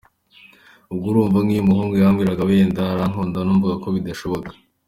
Ubwo urumva nk’iyo umuhungu yambwiraga wenda ngo arankunda, numvaga ko bidashoboka.